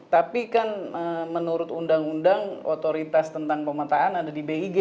tapi kan menurut undang undang otoritas tentang pemetaan ada di big